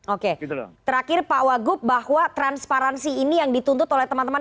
oke terakhir pak wagub bahwa transparansi ini yang dituntut oleh teman teman